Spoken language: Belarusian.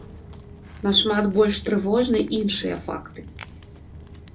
Нашмат больш трывожныя іншыя факты.